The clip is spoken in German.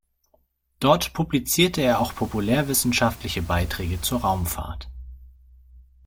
Dort publizierte er auch populärwissenschaftliche Beiträge zur Raumfahrt.